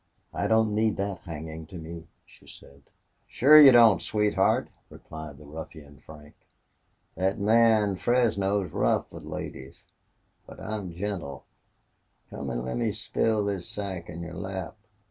"I don't need that hanging to me," she said. "Sure you don't, sweetheart," replied the ruffian Frank. "Thet man Fresno is rough with ladies. Now I'm gentle.... Come an' let me spill this sack in your lap."